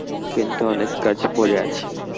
কিন্তু অনেক কাজ পড়ে আছে।